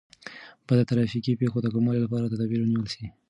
باید د ترافیکي پیښو د کموالي لپاره تدابیر ونیول سي.